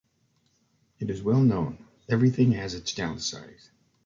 It is well known, everything has its downside.